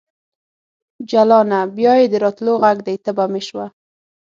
جلانه ! بیا یې د راتللو غږ دی تبه مې شوه